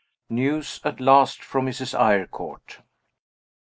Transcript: News at last from Mrs. Eyrecourt.